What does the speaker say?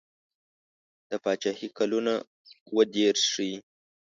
د پاچهي کلونه اووه دېرش ښيي.